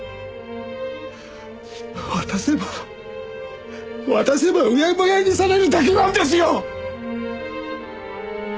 渡せば渡せばうやむやにされるだけなんですよ！